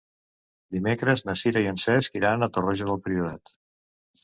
Dimecres na Sira i en Cesc iran a Torroja del Priorat.